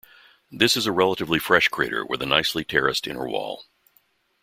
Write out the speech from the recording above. This is a relatively fresh crater with a nicely terraced inner wall.